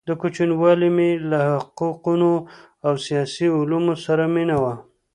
د كوچنیوالي مي له حقو قو او سیاسي علومو سره مینه وه؛